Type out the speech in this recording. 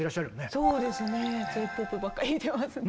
そうですねＪ−ＰＯＰばっか弾いてますね。